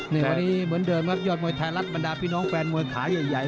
นี่วันนี้เหมือนเดิมครับยอดมวยไทยรัฐบรรดาพี่น้องแฟนมวยขาใหญ่